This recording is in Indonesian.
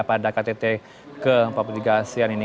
pada ktt ke empat puluh tiga asean ini